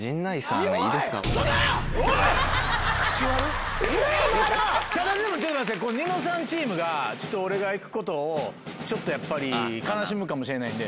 ただ『ニノさん』チームが俺が行くことをちょっとやっぱり悲しむかもしれないんで。